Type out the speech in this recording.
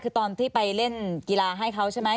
คือตอนที่ไปเล่นกีฬาให้เขาใช่ไหม